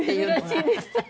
「珍しい」ですって。